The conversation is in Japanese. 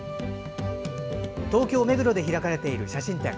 東京・目黒で開かれている写真展。